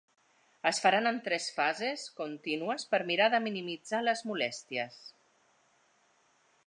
Es faran en tres fases contínues per mirar de minimitzar les molèsties.